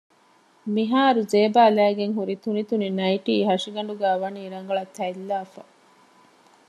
މިހާރު ޒޭބާ ލައިގެންހުރި ތުނިތުނި ނައިޓީ ހަށިގަނޑުގައި ވަނީ ރަނގަޅަށް ތަތްލާފަ